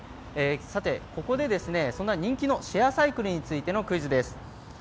ここでそんな人気のシェアサイクルについてのクイズです。